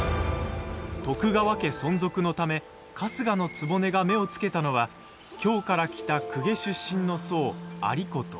徳川家存続のため春日局が目を付けたのは京から来た公家出身の僧、有功。